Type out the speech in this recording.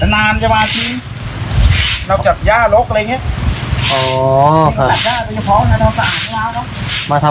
มาทำความสะอาดใช่ไหม